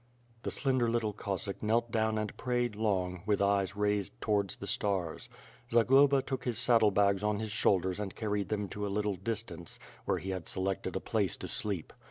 The slender little Cossack knelt down and prayed long, with eyes raised towards the stars. Zagloba took his saddle bags on his shoulders and carried them to a little distance, where he had selected a place to sleep..